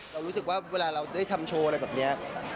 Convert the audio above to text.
เรารู้สึกว่าเวลาเราได้ทำโชว์อะไรแบบนี้